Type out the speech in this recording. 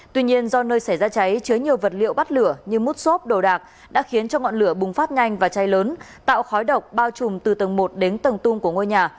tuy nhiên do nơi xảy ra cháy chứa nhiều vật liệu bắt lửa như mút xốp đồ đạc đã khiến cho ngọn lửa bùng phát nhanh và cháy lớn tạo khói độc bao trùm từ tầng một đến tầng tung của ngôi nhà